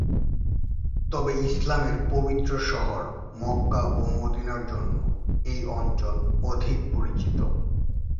তবে ইসলামের পবিত্র শহর মক্কা ও মদিনার জন্য এই অঞ্চল অধিক পরিচিত।